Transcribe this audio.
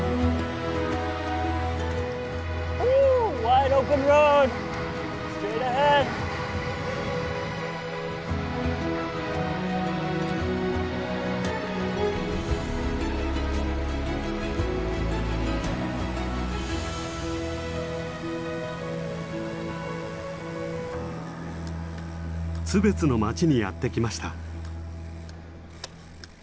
津別の町にやって来ました。